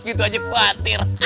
bos gitu aja khawatir